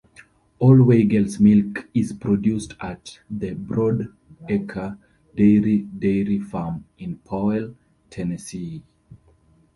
All Weigel's milk is produced at the Broadacre Dairy dairy farm in Powell, Tennessee.